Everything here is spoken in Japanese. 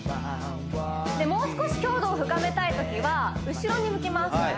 もう少し強度を深めたいときは後ろに向きます